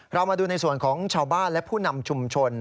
เรามาดูในส่วนของชาวบ้านและผู้นำชุมชน